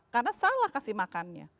karena salah kasih makannya